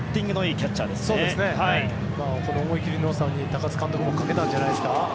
ここの思い切りのよさに高津監督もかけたんじゃないですか。